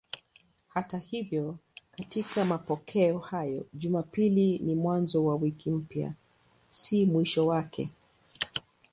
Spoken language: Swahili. Hata hivyo katika mapokeo hayo Jumapili ni mwanzo wa wiki mpya, si mwisho wake.